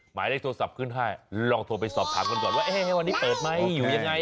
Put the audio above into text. หมายเลขโทรศัพท์ขึ้นให้ลองโทรไปสอบถามกันก่อนว่าวันนี้เปิดไหมอยู่ยังไง